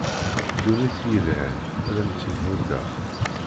Ddunit i yelhan ad am-tt-id muddeɣ.